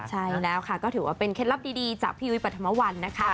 ใช่แล้วค่ะก็ถือว่าเป็นเคล็ดลับดีจากพี่ยุ้ยปรัฐมวัลนะคะ